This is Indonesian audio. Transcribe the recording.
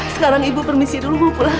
sekarang ibu permisi dulu mau pulang